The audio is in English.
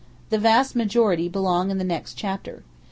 The vast majority belong in the next chapter.